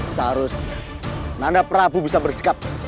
seharusnya nanda prabu bisa bersikap bijak dan berhati hati